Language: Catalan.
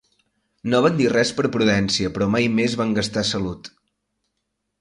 No van dir res per prudència, però mai més van gastar salut